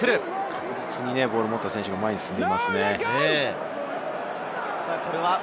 確実にボールを持った選手が前に進んでいますよね。